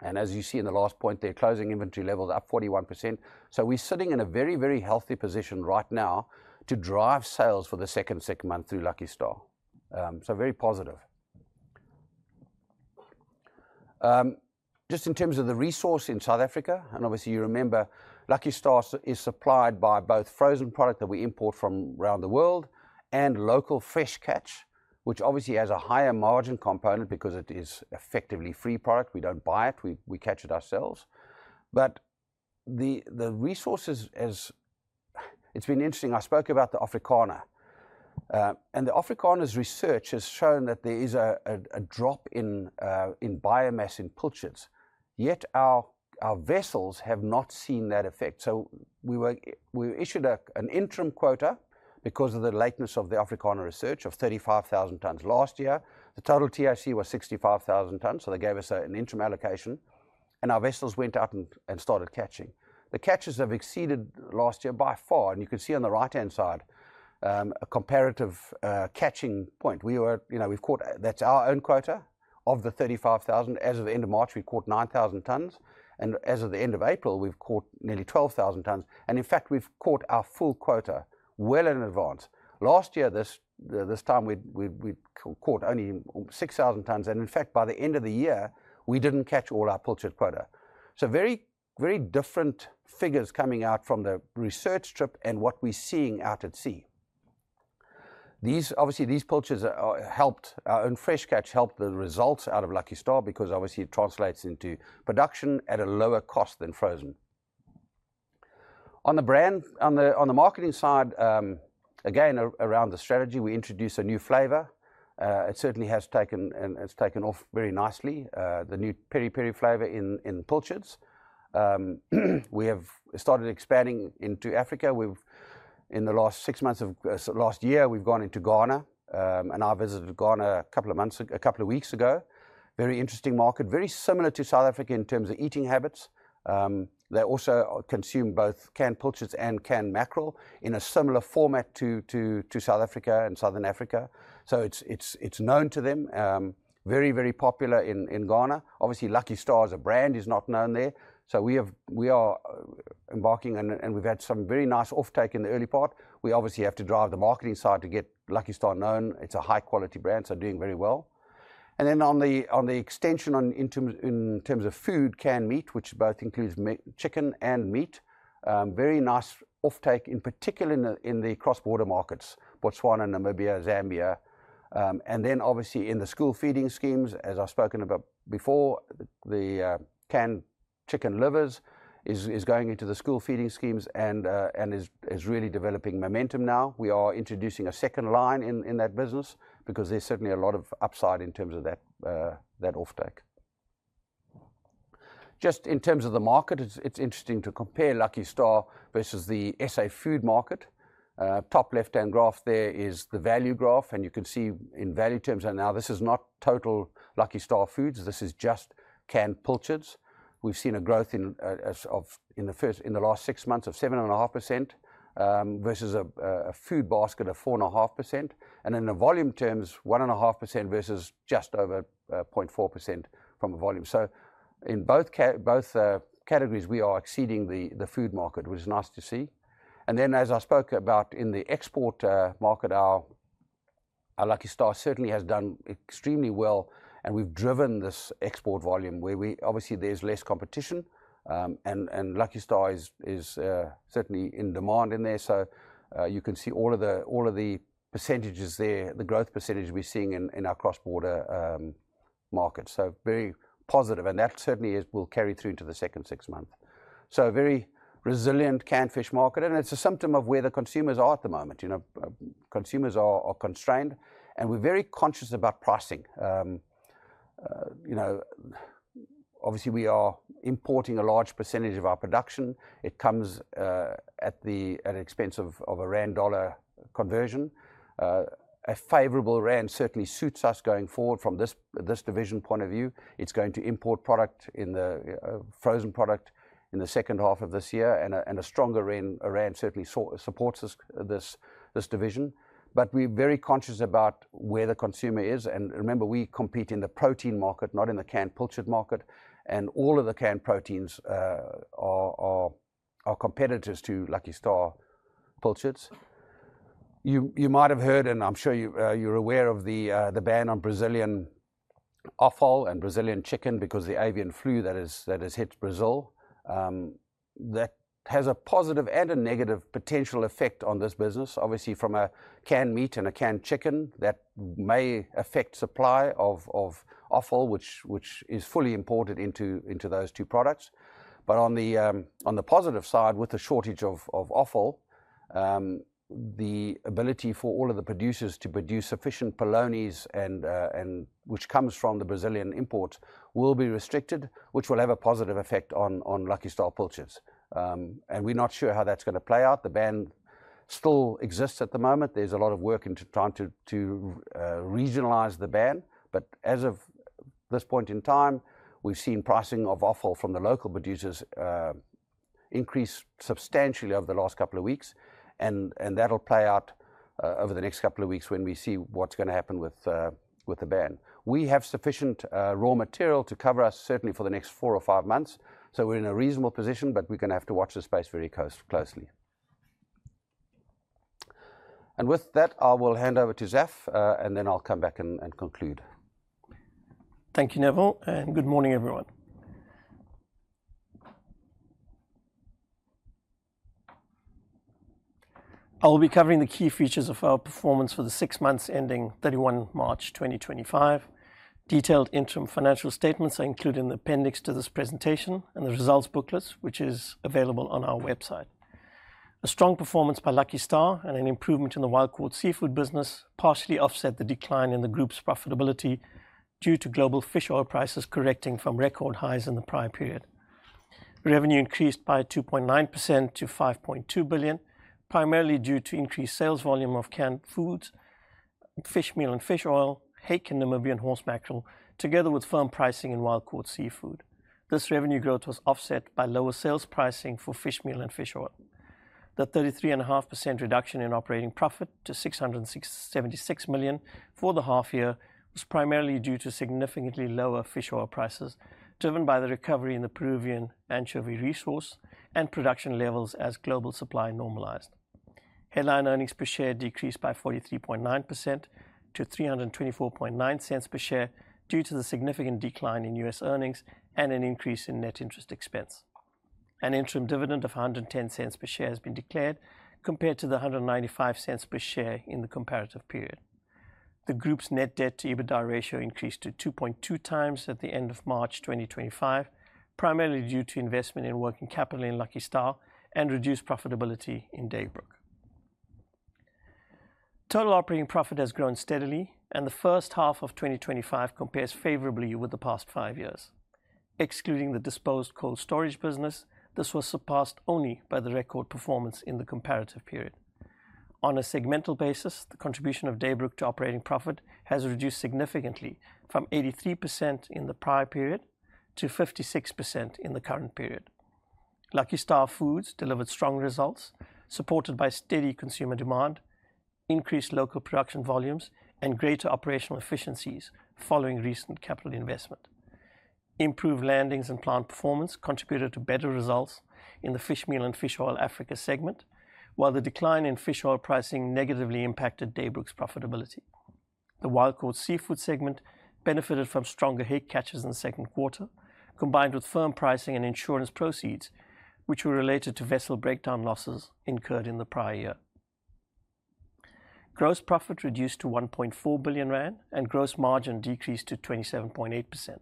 As you see in the last point there, closing inventory levels up 41%. We are sitting in a very, very healthy position right now to drive sales for the second month through Lucky Star. Very positive. Just in terms of the resource in South Africa, and obviously, you remember, Lucky Star is supplied by both frozen product that we import from around the world and local fresh catch, which obviously has a higher margin component because it is effectively free product. We do not buy it. We catch it ourselves. The resources, it has been interesting. I spoke about the Africana. The Africana's research has shown that there is a drop in biomass in pilchards. Yet our vessels have not seen that effect. We issued an interim quota because of the lateness of the Africana research of 35,000 tons last year. The total TAC was 65,000 tons. They gave us an interim allocation. Our vessels went out and started catching. The catches have exceeded last year by far. You can see on the right-hand side a comparative catching point. We have caught, that is our own quota of the 35,000. As of the end of March, we caught 9,000 tons. As of the end of April, we have caught nearly 12,000 tons. In fact, we have caught our full quota well in advance. Last year, this time, we caught only 6,000 tons. In fact, by the end of the year, we did not catch all our pilchard quota. Very different figures coming out from the research trip and what we're seeing out at sea. Obviously, these pilchards helped, our own fresh catch helped the results out of Lucky Star because obviously, it translates into production at a lower cost than frozen. On the marketing side, again, around the strategy, we introduced a new flavor. It certainly has taken off very nicely, the new peri-peri flavor in pilchards. We have started expanding into Africa. In the last six months of last year, we've gone into Ghana. I visited Ghana a couple of weeks ago. Very interesting market, very similar to South Africa in terms of eating habits. They also consume both canned pilchards and canned mackerel in a similar format to South Africa and Southern Africa. It's known to them, very, very popular in Ghana. Obviously, Lucky Star as a brand is not known there. We are embarking, and we've had some very nice offtake in the early part. We obviously have to drive the marketing side to get Lucky Star known. It's a high-quality brand, so doing very well. On the extension in terms of food, canned meat, which both includes chicken and meat, very nice offtake, in particular in the cross-border markets, Botswana, Namibia, Zambia. Obviously, in the school feeding schemes, as I've spoken about before, the canned chicken livers is going into the school feeding schemes and is really developing momentum now. We are introducing a second line in that business because there's certainly a lot of upside in terms of that offtake. Just in terms of the market, it's interesting to compare Lucky Star versus the S.A. food market. Top left-hand graph there is the value graph. You can see in value terms, and now this is not total Lucky Star foods. This is just canned pilchards. We have seen a growth in the last six months of 7.5% versus a food basket of 4.5%. In volume terms, 1.5% versus just over 0.4% from volume. In both categories, we are exceeding the food market, which is nice to see. As I spoke about in the export market, our Lucky Star certainly has done extremely well. We have driven this export volume where obviously there is less competition, and Lucky Star is certainly in demand in there. You can see all of the percentages there, the growth percentage we are seeing in our cross-border market. Very positive. That certainly will carry through into the second six months. Very resilient canned fish market. It is a symptom of where the consumers are at the moment. Consumers are constrained. We are very conscious about pricing. Obviously, we are importing a large percentage of our production. It comes at the expense of a Rand-dollar conversion. A favorable Rand certainly suits us going forward from this division point of view. It is going to import product, the frozen product, in the second half of this year. A stronger Rand certainly supports this division. We are very conscious about where the consumer is. Remember, we compete in the protein market, not in the canned pilchard market. All of the canned proteins are competitors to Lucky Star pilchards. You might have heard, and I am sure you are aware of the ban on Brazilian offal and Brazilian chicken because of the avian flu that has hit Brazil. That has a positive and a negative potential effect on this business. Obviously, from a canned meat and a canned chicken, that may affect supply of offal, which is fully imported into those two products. On the positive side, with the shortage of offal, the ability for all of the producers to produce sufficient polony, which comes from the Brazilian import, will be restricted, which will have a positive effect on Lucky Star pilchards. We're not sure how that's going to play out. The ban still exists at the moment. There's a lot of work in trying to regionalize the ban. At this point in time, we've seen pricing of offal from the local producers increase substantially over the last couple of weeks. That'll play out over the next couple of weeks when we see what's going to happen with the ban. We have sufficient raw material to cover us certainly for the next four or five months. We are in a reasonable position, but we are going to have to watch this space very closely. With that, I will hand over to Zaf, and then I will come back and conclude. Thank you, Neville. Good morning, everyone. I will be covering the key features of our performance for the six months ending 31 March 2025. Detailed interim financial statements are included in the appendix to this presentation and the results booklet, which is available on our website. A strong performance by Lucky Star and an improvement in the wild-caught seafood business partially offset the decline in the group's profitability due to global fish oil prices correcting from record highs in the prior period. Revenue increased by 2.9% to 5.2 billion, primarily due to increased sales volume of canned foods, fishmeal and fish oil, hake, and Namibian horsemackerel, together with firm pricing in wild-caught seafood. This revenue growth was offset by lower sales pricing for fishmeal and fish oil. The 33.5% reduction in operating profit to 676 million for the half year was primarily due to significantly lower fish oil prices driven by the recovery in the Peruvian anchovy resource and production levels as global supply normalized. Headline earnings per share decreased by 43.9% to 3.249 per share due to the significant decline in US earnings and an increase in net interest expense. An interim dividend of 1.10 per share has been declared compared to the 1.95 per share in the comparative period. The group's net debt to EBITDA ratio increased to 2.2 times at the end of March 2025, primarily due to investment in working capital in Lucky Star and reduced profitability in Daybrook. Total operating profit has grown steadily, and the first half of 2025 compares favorably with the past five years. Excluding the disposed cold storage business, this was surpassed only by the record performance in the comparative period. On a segmental basis, the contribution of Daybrook to operating profit has reduced significantly from 83% in the prior period to 56% in the current period. Lucky Star Foods delivered strong results, supported by steady consumer demand, increased local production volumes, and greater operational efficiencies following recent capital investment. Improved landings and plant performance contributed to better results in the fishmeal and fish oil Africa segment, while the decline in fish oil pricing negatively impacted Daybrook's profitability. The wild-caught seafood segment benefited from stronger hake catches in the second quarter, combined with firm pricing and insurance proceeds, which were related to vessel breakdown losses incurred in the prior year. Gross profit reduced to 1.4 billion rand, and gross margin decreased to 27.8%,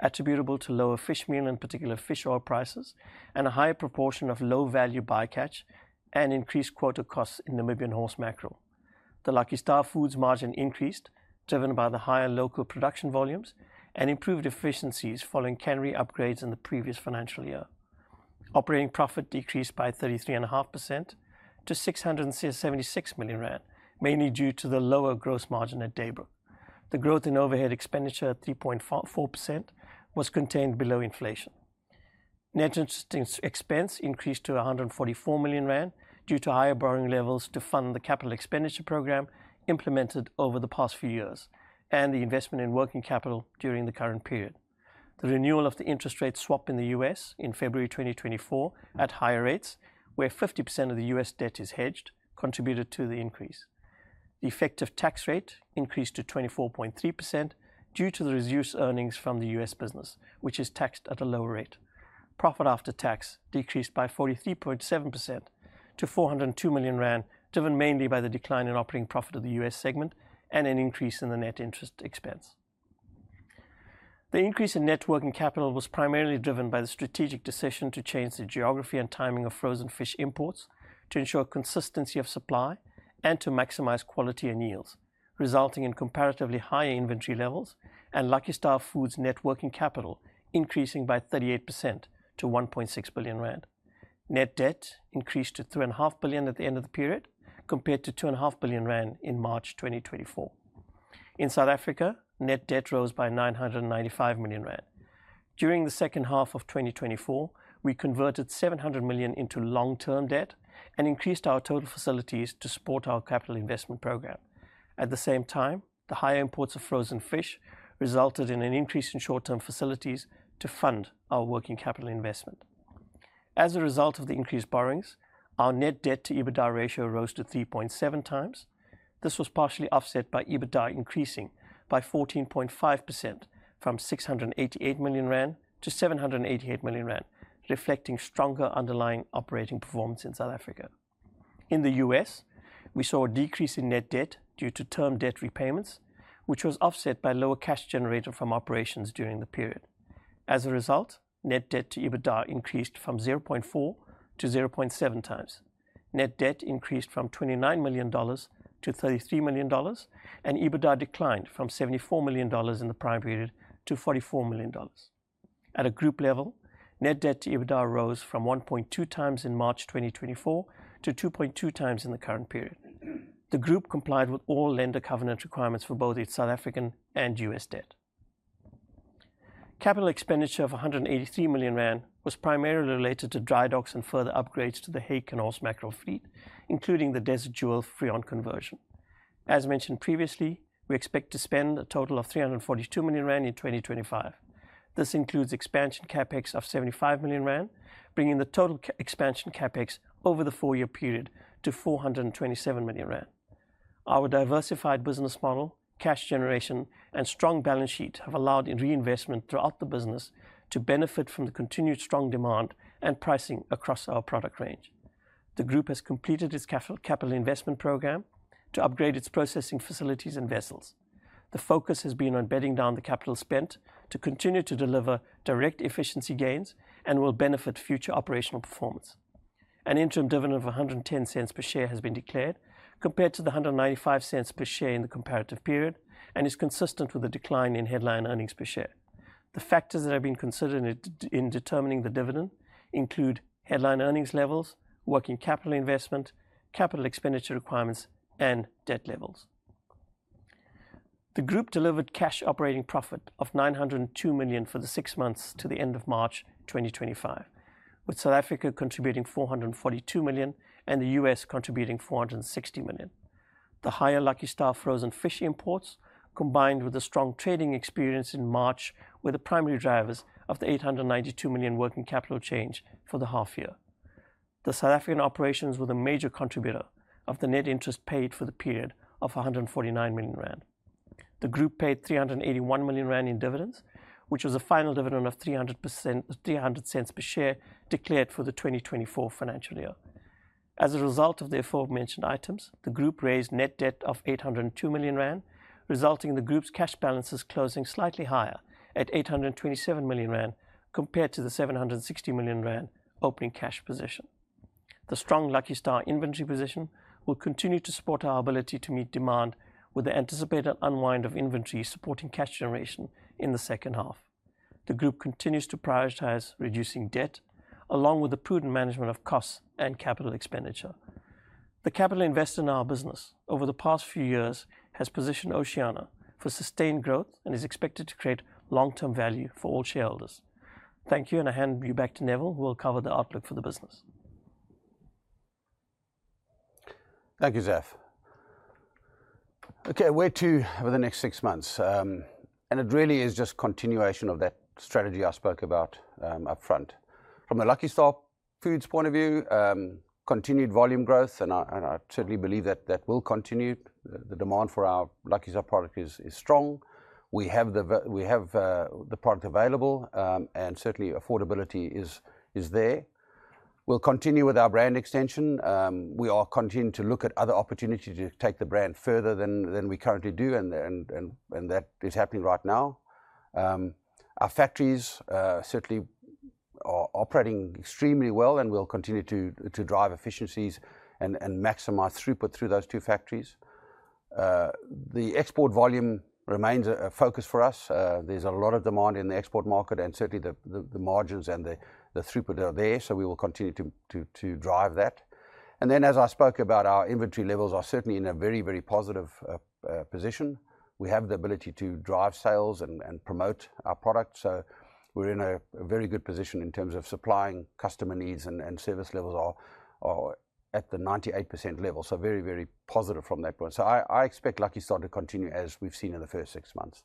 attributable to lower fishmeal and particularly fish oil prices and a higher proportion of low-value bycatch and increased quota costs in Namibian horsemackerel. The Lucky Star Foods margin increased, driven by the higher local production volumes and improved efficiencies following cannery upgrades in the previous financial year. Operating profit decreased by 33.5% to 676 million rand, mainly due to the lower gross margin at Daybrook. The growth in overhead expenditure at 3.4% was contained below inflation. Net interest expense increased to 144 million rand due to higher borrowing levels to fund the capital expenditure program implemented over the past few years and the investment in working capital during the current period. The renewal of the interest rate swap in the U.S. in February 2024 at higher rates, where 50% of the U.S. debt is hedged, contributed to the increase. The effective tax rate increased to 24.3% due to the reduced earnings from the US business, which is taxed at a lower rate. Profit after tax decreased by 43.7% to 402 million rand, driven mainly by the decline in operating profit of the U.S. segment and an increase in the net interest expense. The increase in net working capital was primarily driven by the strategic decision to change the geography and timing of frozen fish imports to ensure consistency of supply and to maximize quality and yields, resulting in comparatively higher inventory levels and Lucky Star Foods net working capital increasing by 38% to 1.6 billion rand. Net debt increased to 3.5 billion at the end of the period compared to 2.5 billion rand in March 2024. In South Africa, net debt rose by 995 million rand. During the second half of 2024, we converted 700 million into long-term debt and increased our total facilities to support our capital investment program. At the same time, the higher imports of frozen fish resulted in an increase in short-term facilities to fund our working capital investment. As a result of the increased borrowings, our net debt to EBITDA ratio rose to 3.7 times. This was partially offset by EBITDA increasing by 14.5% from 688 million-788 million rand, reflecting stronger underlying operating performance in South Africa. In the U.S., we saw a decrease in net debt due to term debt repayments, which was offset by lower cash generated from operations during the period. As a result, net debt to EBITDA increased from 0.4 to 0.7 times. Net debt increased from $29 million-$33 million, and EBITDA declined from $74 million in the prior period to $44 million. At a group level, net debt to EBITDA rose from 1.2 times in March 2024 to 2.2 times in the current period. The group complied with all lender covenant requirements for both its South African and U.S. debt. Capital expenditure of 183 million rand was primarily related to dry docks and further upgrades to the hake and horsemackerel fleet, including the Desert Jewel Freon conversion. As mentioned previously, we expect to spend a total of 342 million rand in 2025. This includes expansion CapEx of 75 million rand, bringing the total expansion CapEx over the four-year period to 427 million rand. Our diversified business model, cash generation, and strong balance sheet have allowed reinvestment throughout the business to benefit from the continued strong demand and pricing across our product range. The group has completed its capital investment program to upgrade its processing facilities and vessels. The focus has been on bedding down the capital spent to continue to deliver direct efficiency gains and will benefit future operational performance. An interim dividend of 1.10 per share has been declared, compared to the 1.95 per share in the comparative period, and is consistent with the decline in headline earnings per share. The factors that have been considered in determining the dividend include headline earnings levels, working capital investment, capital expenditure requirements, and debt levels. The group delivered cash operating profit of 902 million for the six months to the end of March 2025, with South Africa contributing 442 million and the U.S. contributing $460 million. The higher Lucky Star frozen fish imports, combined with the strong trading experience in March, were the primary drivers of the 892 million working capital change for the half year. The South African operations were the major contributor of the net interest paid for the period of 149 million rand. The group paid 381 million rand in dividends, which was a final dividend of 3.00 per share declared for the 2024 financial year. As a result of the aforementioned items, the group raised net debt of 802 million rand, resulting in the group's cash balances closing slightly higher at 827 million rand compared to the 760 million rand opening cash position. The strong Lucky Star inventory position will continue to support our ability to meet demand with the anticipated unwind of inventory supporting cash generation in the second half. The group continues to prioritize reducing debt, along with the prudent management of costs and capital expenditure. The capital invested in our business over the past few years has positioned Oceana for sustained growth and is expected to create long-term value for all shareholders. Thank you, and I hand you back to Neville, who will cover the outlook for the business. Thank you, Zaf. Okay, where to for the next six months? It really is just continuation of that strategy I spoke about upfront. From the Lucky Star Foods point of view, continued volume growth, and I certainly believe that that will continue. The demand for our Lucky Star product is strong. We have the product available, and certainly affordability is there. We'll continue with our brand extension. We are continuing to look at other opportunities to take the brand further than we currently do, and that is happening right now. Our factories certainly are operating extremely well and will continue to drive efficiencies and maximize throughput through those two factories. The export volume remains a focus for us. is a lot of demand in the export market, and certainly the margins and the throughput are there, so we will continue to drive that. As I spoke about, our inventory levels are certainly in a very, very positive position. We have the ability to drive sales and promote our product, so we are in a very good position in terms of supplying customer needs, and service levels are at the 98% level, so very, very positive from that point. I expect Lucky Star to continue as we have seen in the first six months.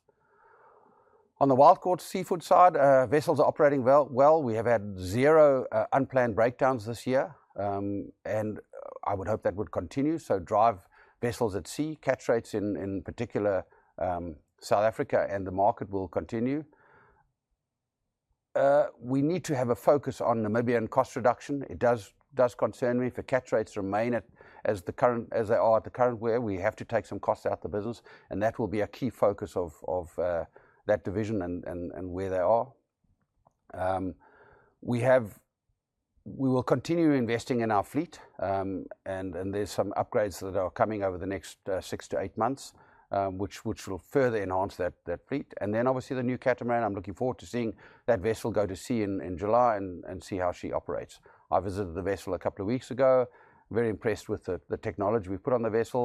On the wild-caught seafood side, vessels are operating well. We have had zero unplanned breakdowns this year, and I would hope that would continue. Drive vessels at sea, catch rates in particular, South Africa and the market will continue. We need to have a focus on Namibian cost reduction. It does concern me if the catch rates remain as they are at the current way. We have to take some costs out of the business, and that will be a key focus of that division and where they are. We will continue investing in our fleet, and there are some upgrades that are coming over the next six to eight months, which will further enhance that fleet. Obviously, the new catamaran, I'm looking forward to seeing that vessel go to sea in July and see how she operates. I visited the vessel a couple of weeks ago, very impressed with the technology we put on the vessel,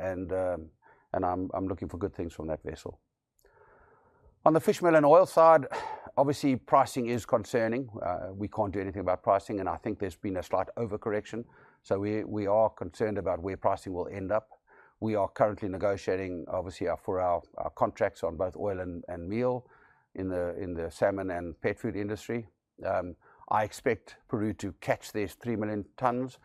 and I'm looking for good things from that vessel. On the fishmeal and oil side, obviously, pricing is concerning. We can't do anything about pricing, and I think there's been a slight overcorrection, so we are concerned about where pricing will end up. We are currently negotiating, obviously, for our contracts on both oil and meal in the salmon and pet food industry. I expect Peru to catch these 3 million tons.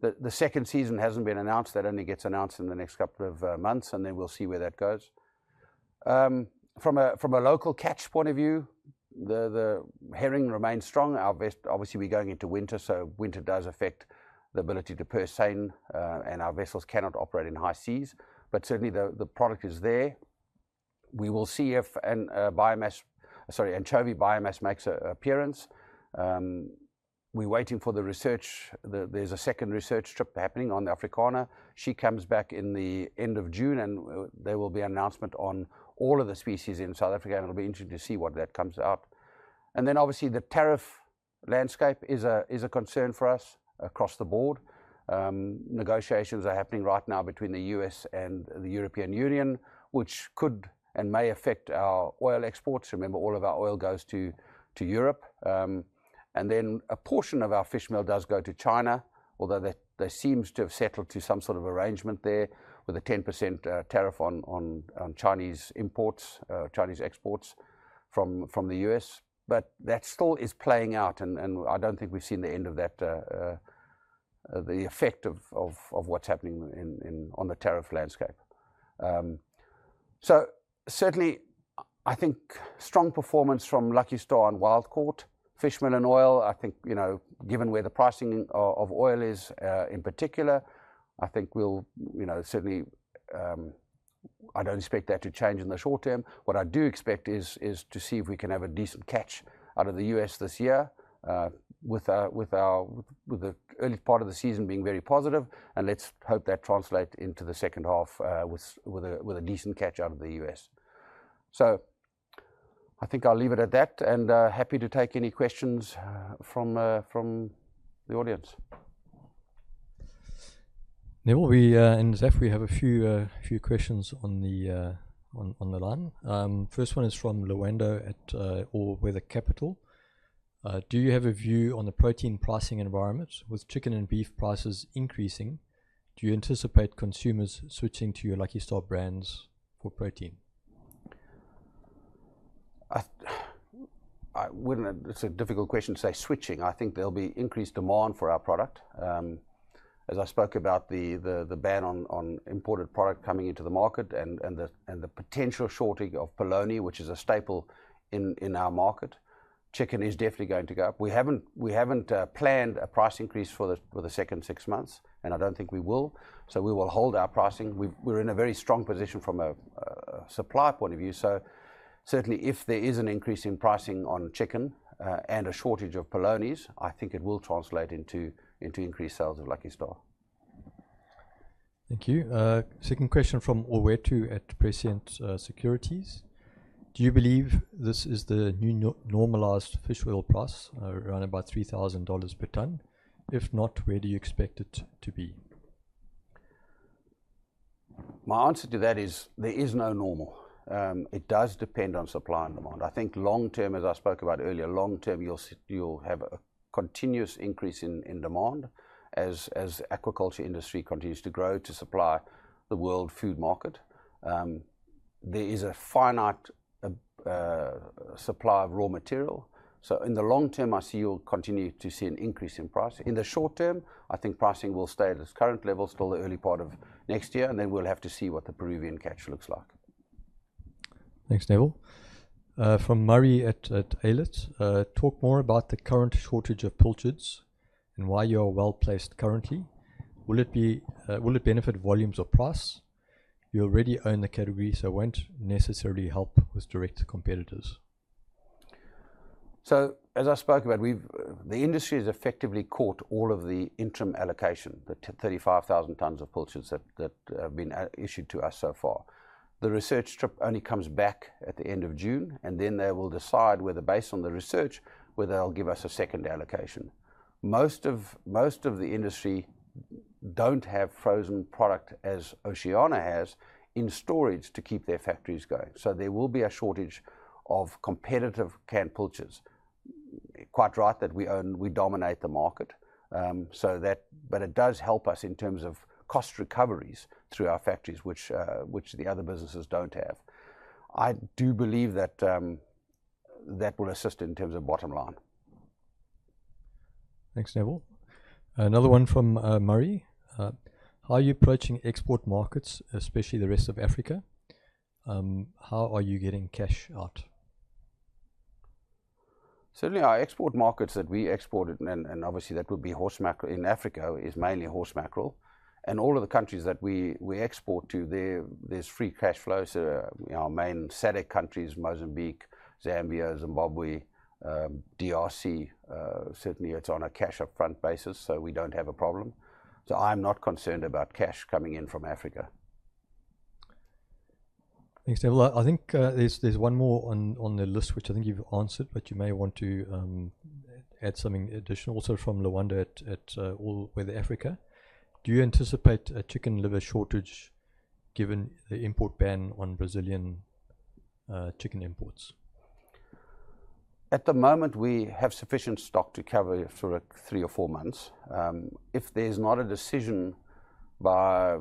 The second season hasn't been announced. That only gets announced in the next couple of months, and then we'll see where that goes. From a local catch point of view, the herring remains strong. Obviously, we're going into winter, so winter does affect the ability to purse seine, and our vessels cannot operate in high seas, but certainly the product is there. We will see if anchovy biomass makes an appearance. We're waiting for the research. There's a second research trip happening on the Africana. She comes back in the end of June, and there will be an announcement on all of the species in South Africa, and it will be interesting to see what that comes out. Obviously, the tariff landscape is a concern for us across the board. Negotiations are happening right now between the US and the European Union, which could and may affect our oil exports. Remember, all of our oil goes to Europe. A portion of our fishmeal does go to China, although there seems to have settled to some sort of arrangement there with a 10% tariff on Chinese imports, Chinese exports from the U.S. That still is playing out, and I do not think we have seen the end of the effect of what is happening on the tariff landscape. Certainly, I think strong performance from Lucky Star and wild-caught fish meal and oil, I think, given where the pricing of oil is in particular, I think we'll certainly, I don't expect that to change in the short term. What I do expect is to see if we can have a decent catch out of the U.S. this year, with the early part of the season being very positive, and let's hope that translates into the second half with a decent catch out of the U.S. I think I'll leave it at that, and happy to take any questions from the audience. Neville, we in Zaf, we have a few questions on the line. First one is from Lowendo at All Weather Capital. Do you have a view on the protein pricing environment with chicken and beef prices increasing? Do you anticipate consumers switching to your Lucky Star brands for protein? It's a difficult question to say switching. I think there'll be increased demand for our product. As I spoke about the ban on imported product coming into the market and the potential shortage of polony, which is a staple in our market, chicken is definitely going to go up. We haven't planned a price increase for the second six months, and I don't think we will, so we will hold our pricing. We're in a very strong position from a supply point of view, so certainly if there is an increase in pricing on chicken and a shortage of polony, I think it will translate into increased sales of Lucky Star. Thank you. Second question from Owetu at Pricient Securities. Do you believe this is the new normalized fish oil price around about $3,000 per ton? If not, where do you expect it to be? My answer to that is there is no normal. It does depend on supply and demand. I think long term, as I spoke about earlier, long term you'll have a continuous increase in demand as the aquaculture industry continues to grow to supply the world food market. There is a finite supply of raw material, so in the long term, I see you'll continue to see an increase in pricing. In the short term, I think pricing will stay at its current level till the early part of next year, and then we'll have to see what the Peruvian catch looks like. Thanks, Neville. From Murray at Eilert, talk more about the current shortage of poultry and why you are well placed currently. Will it benefit volumes or price? You already own the category, so won't necessarily help with direct competitors. As I spoke about, the industry has effectively caught all of the interim allocation, the 35,000 tons of poultry that have been issued to us so far. The research trip only comes back at the end of June, and then they will decide whether, based on the research, whether they'll give us a second allocation. Most of the industry do not have frozen product as Oceana has in storage to keep their factories going, so there will be a shortage of competitive canned poultry. Quite right that we own; we dominate the market, but it does help us in terms of cost recoveries through our factories, which the other businesses do not have. I do believe that that will assist in terms of bottom line. Thanks, Neville. Another one from Murray. How are you approaching export markets, especially the rest of Africa? How are you getting cash out? Certainly, our export markets that we export, and obviously that would be horsemackerel in Africa, is mainly horsemackerel. In all of the countries that we export to, there is free cash flow. Our main SADEC countries, Mozambique, Zambia, Zimbabwe, DRC, certainly it's on a cash upfront basis, so we don't have a problem. I'm not concerned about cash coming in from Africa. Thanks, Neville. I think there's one more on the list, which I think you've answered, but you may want to add something additional. Also from Lowendo at All Weather Capital. Do you anticipate a chicken liver shortage given the import ban on Brazilian chicken imports? At the moment, we have sufficient stock to cover for three or four months. If there's not a decision by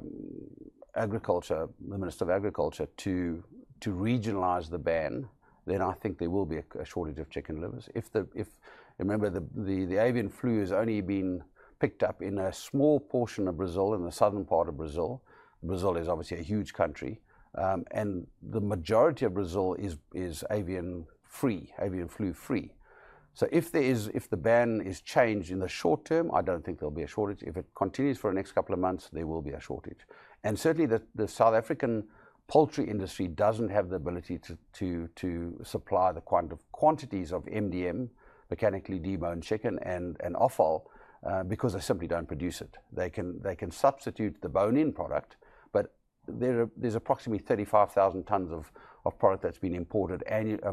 Agriculture, the Minister of Agriculture, to regionalize the ban, then I think there will be a shortage of chicken livers. Remember, the avian flu has only been picked up in a small portion of Brazil, in the southern part of Brazil. Brazil is obviously a huge country, and the majority of Brazil is avian-free, avian flu-free. If the ban is changed in the short term, I do not think there will be a shortage. If it continues for the next couple of months, there will be a shortage. Certainly, the South African poultry industry does not have the ability to supply the quantities of MDM, mechanically deboned chicken, and offal, because they simply do not produce it. They can substitute the bone-in product, but there is approximately 35,000 tons of product that has been imported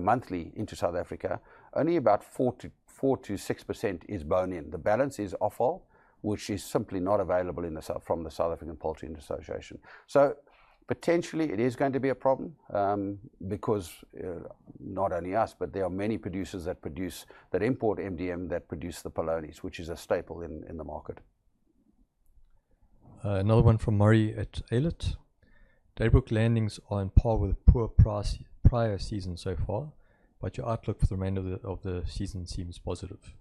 monthly into South Africa. Only about 4%-6% is bone-in. The balance is offal, which is simply not available from the South African Poultry Association. Potentially, it is going to be a problem because not only us, but there are many producers that import MDM that produce the polonies, which is a staple in the market. Another one from Murray at Eilert. Daybrook landings are in par with poor prior season so far, but your outlook for the remainder of the season seems positive.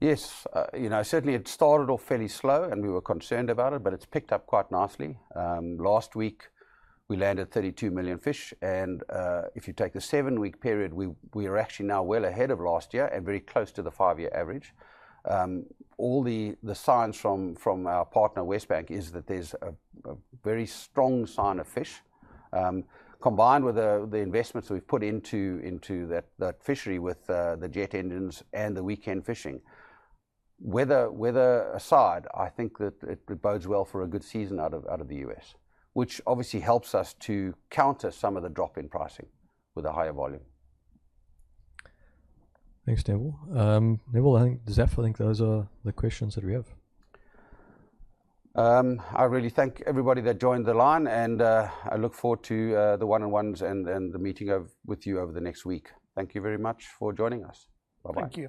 Yes. Certainly, it started off fairly slow, and we were concerned about it, but it has picked up quite nicely. Last week, we landed 32 million fish, and if you take the seven-week period, we are actually now well ahead of last year and very close to the five-year average. All the signs from our partner, Westbank, is that there is a very strong sign of fish, combined with the investments we have put into that fishery with the jet engines and the weekend fishing. Weather aside, I think that it bodes well for a good season out of the US, which obviously helps us to counter some of the drop in pricing with a higher volume. Thanks, Neville. Neville, Zaf, I think those are the questions that we have. I really thank everybody that joined the line, and I look forward to the one-on-ones and the meeting with you over the next week. Thank you very much for joining us. Bye-bye.